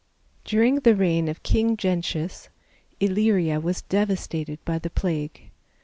During the reign of King Gentius, Illyria was devastated by the plague.